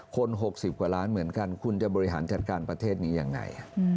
๖๐กว่าล้านเหมือนกันคุณจะบริหารจัดการประเทศนี้ยังไง